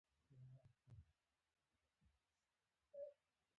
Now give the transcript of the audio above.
ونډالیانو پر ټاپو وزمې یرغل وکړ.